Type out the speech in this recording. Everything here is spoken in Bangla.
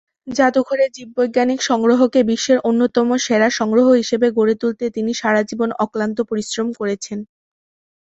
জাদুঘরের জীববৈজ্ঞানিক সংগ্রহকে বিশ্বের অন্যতম সেরা সংগ্রহ হিসেবে গড়ে তুলতে তিনি সারাজীবন অক্লান্ত পরিশ্রম করেছেন।